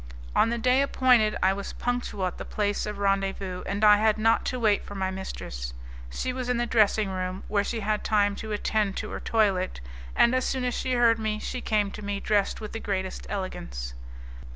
On the day appointed I was punctual at the place of rendezvous, and I had not to wait for my mistress. She was in the dressing room, where she had had time to attend to her toilet, and as soon as she heard me she came to me dressed with the greatest elegance.